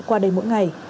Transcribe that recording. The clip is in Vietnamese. qua đây mỗi ngày